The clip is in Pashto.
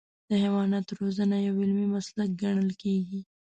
د حیواناتو روزنه یو علمي مسلک ګڼل کېږي.